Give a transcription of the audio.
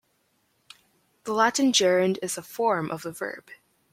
The Latin gerund is a form of the verb.